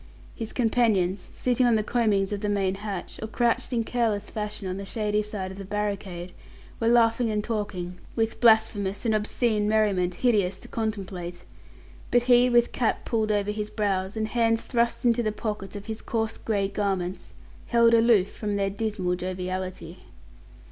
His companions, sitting on the combings of the main hatch, or crouched in careless fashion on the shady side of the barricade, were laughing and talking, with blasphemous and obscene merriment hideous to contemplate; but he, with cap pulled over his brows, and hands thrust into the pockets of his coarse grey garments, held aloof from their dismal joviality.